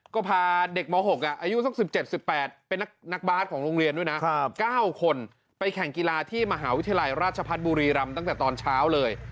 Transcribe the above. ก็พาเด็กม๖อายุสัก๑๗๑๘เป็นนักบาสของโรงเรียนด้วยนะ๙คนไปแข่งกีฬาที่มหาวิทยาลัยราชพัฒน์บุรีรำตั้งแต่ตอนเช้าเลย